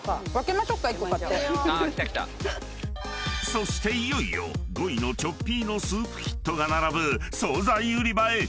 ［そしていよいよ５位のチョッピーノスープキットが並ぶ惣菜売り場へ］